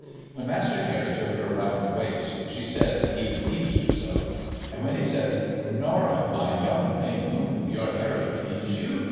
When Master Harry took her round the waist, she said he 'teased her so;' and when he says, 'Norah, my young May Moon, your Harry tease you